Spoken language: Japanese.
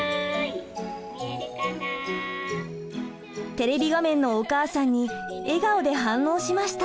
テレビ画面のお母さんに笑顔で反応しました！